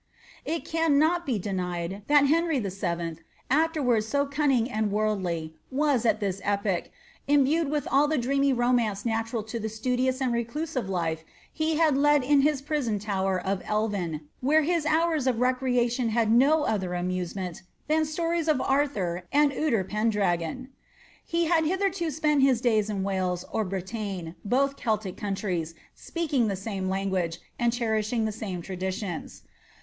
It CBuuot be denied, that Henry VII., afterwards so cunnmg and worldly, was, at this epoch, imbued with all the dreamy romance lutlural to the frtudious and recluse life he had led in his prison tower of Elven, where hia hoirrs of recreation had no other amusement than stories of ■trtfaur and I'ter Peodr^on. He had hitherto spent his dayb in Walea or Brelagne, both Celtic countries, speaking the same language, and ehrrishiiw the same traditions.